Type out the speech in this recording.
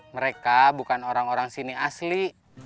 mereka bukan orang orang sini asli